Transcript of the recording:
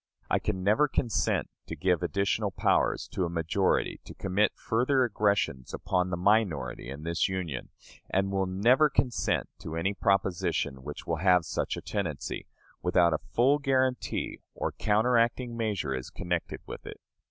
I can never consent to give additional power to a majority to commit further aggressions upon the minority in this Union; and will never consent to any proposition which will have such a tendency, without a full guarantee or counteracting measure is connected with it.